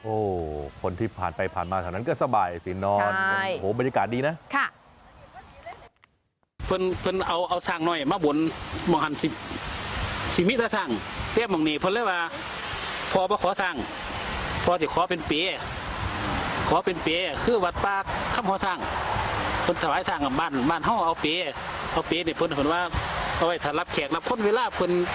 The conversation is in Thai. โอ้โหคนที่ผ่านไปผ่านมาแถวนั้นก็สบายสินอนโอ้โหบรรยากาศดีนะ